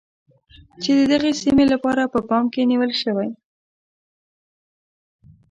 چې د دغې سیمې لپاره په پام کې نیول شوی.